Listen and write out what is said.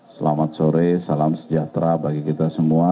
selamat sore salam sejahtera bagi kita semua